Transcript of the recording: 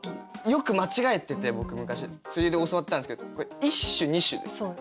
よく間違えてて僕昔。それで教わったんですけど一首二首ですよね。